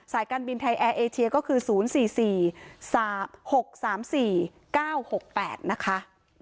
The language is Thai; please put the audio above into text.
สายการบินไทยแอร์เอเทียก็คือศูนย์สี่สี่หกสามสี่เก้าหกแปดนะคะ